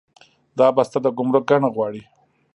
دا بسته د ګمرک ګڼه غواړي.